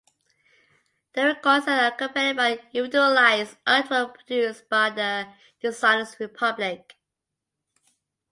The recordings are accompanied by individualized artwork produced by The Designers Republic.